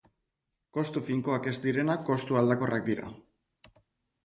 Kostu finkoak ez direnak kostu aldakorrak dira.